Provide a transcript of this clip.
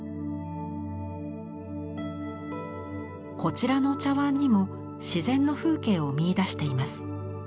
こちらの茶碗にも自然の風景を見いだしています。